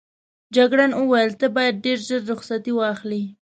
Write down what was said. جګړن وویل ته باید ډېر ژر رخصتي واخلې.